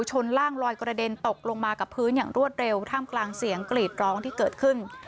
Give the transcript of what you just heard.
ชนล่างลอยกระเด็นตกลงมากับพื้นอย่างรวดเร็วท่ามกลางเสียงกรีดร้องที่เกิดขึ้น